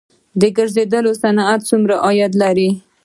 د ګرځندوی صنعت څومره عاید لري؟